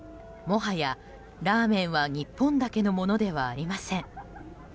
もはやラーメンは日本だけのものではありません。